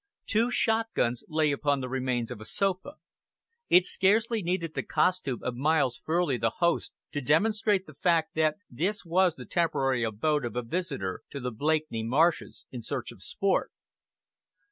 Two shotguns lay upon the remains of a sofa. It scarcely needed the costume of Miles Furley, the host, to demonstrate the fact that this was the temporary abode of a visitor to the Blakeney marshes in search of sport.